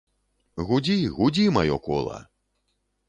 Гудзі, гудзі, маё кола!